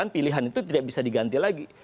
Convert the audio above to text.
pilihan itu tidak bisa diganti lagi